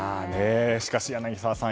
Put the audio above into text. しかし柳澤さん